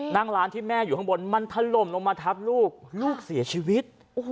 นั่งร้านที่แม่อยู่ข้างบนมันถล่มลงมาทับลูกลูกเสียชีวิต